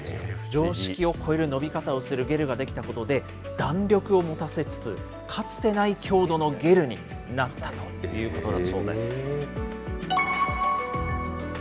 常識を超える伸び方をするゲルが出来たことで、弾力を持たせつつ、かつてない強度のゲルになったということだそうです。